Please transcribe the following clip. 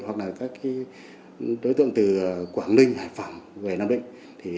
hoặc là các đối tượng từ quảng ninh hải phòng về nam định